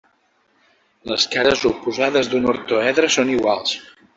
Les cares oposades d'un ortoedre són iguals.